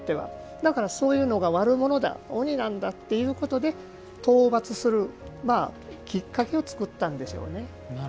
だから、そういうのが悪者だ鬼なんだということで討伐するきっかけを作ったんでしょうね。